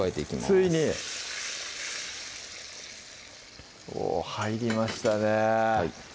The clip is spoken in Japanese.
ついにお入りましたね